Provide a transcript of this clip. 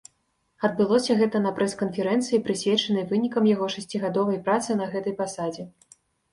Адбылося гэта на прэс-канферэнцыі, прысвечанай вынікам яго шасцігадовай працы на гэтай пасадзе.